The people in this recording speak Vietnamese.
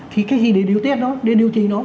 thì cái gì để điều tiết nó để điều chỉnh nó